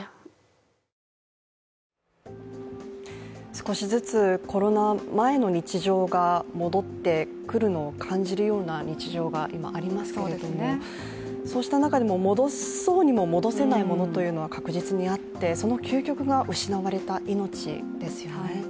少しずつコロナ前の日常が戻ってくるのを感じるような日常が今、ありますけれどもそうした中でも戻そうにも戻せないものが確実にあって、その究極が失われた命ですよね。